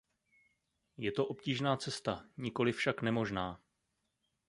Je to obtížná cesta, nikoli však nemožná.